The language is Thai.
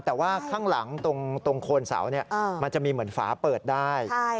แต่ว่าข้างหลังตรงโคนเสามันจะมีเหมือนฝาเปิดได้